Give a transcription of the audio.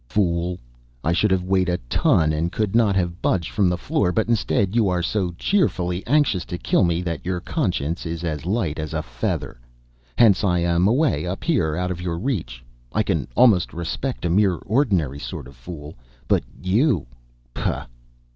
Fool, I should have weighed a ton, and could not have budged from the floor; but instead, you are so cheerfully anxious to kill me that your conscience is as light as a feather; hence I am away up here out of your reach. I can almost respect a mere ordinary sort of fool; but you pah!"